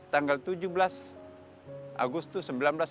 tanggal tujuh belas agustus seribu sembilan ratus empat puluh